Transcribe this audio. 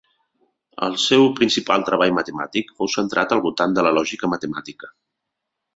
El seu principal treball matemàtic fou centrat al voltant de la lògica matemàtica.